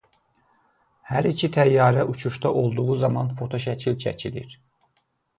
Hər iki təyyarə uçuşda olduğu zaman fotoşəkil çəkilir.